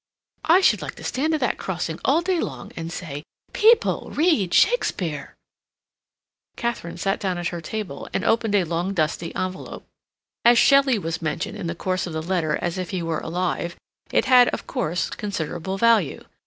I should like to stand at that crossing all day long and say: 'People, read Shakespeare!'" Katharine sat down at her table and opened a long dusty envelope. As Shelley was mentioned in the course of the letter as if he were alive, it had, of course, considerable value.